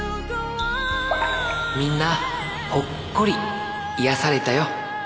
みんなほっこり癒やされたよ。